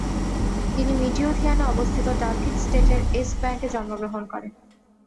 তিনি মিডিওথিয়ানে অবস্থিত ডালকিথ স্টেটের এস্কব্যাঙ্কে জন্মগ্রহণ করেন।